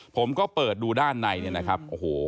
ผมก็เปิดดูด้านในนี้นะครับ